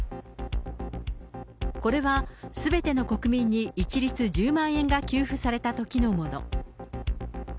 これはすべての国民に、一律１０万円が給付されたときのもの。